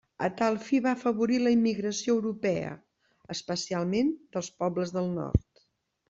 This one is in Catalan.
A tal fi va afavorir la immigració europea, especialment dels pobles del nord.